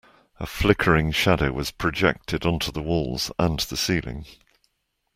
A flickering shadow was projected onto the walls and the ceiling.